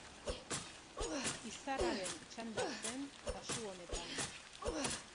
Izarraren txanda zen kasu honetan.